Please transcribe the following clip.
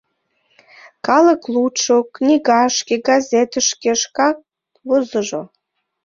Калык лудшо, книгашке, газетышке шкат возыжо.